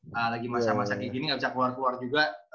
masa masa kayak gini gak bisa keluar keluar juga